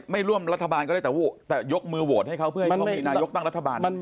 ไม่ร่วมรัฐบาลก็ได้แต่ยกมือโหวตให้เขาเพื่อให้เขามีนายกตั้งรัฐบาล